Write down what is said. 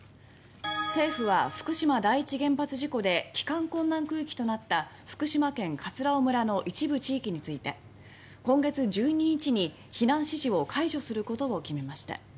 政府は福島第一原発事故で帰還困難区域となった福島県葛尾村の一部地域について今月１２日に避難指示を解除することを決めました。